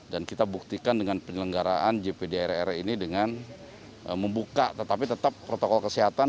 dan kita buktikan dengan penyelenggaraan gpdrr ini dengan membuka tetapi tetap protokol kesehatan